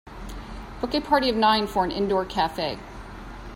book a party of nine for an indoor cafe